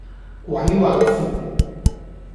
鬼畫符